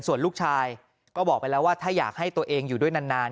ส่วนลูกชายก็บอกไปแล้วว่าถ้าอยากให้ตัวเองอยู่ด้วยนาน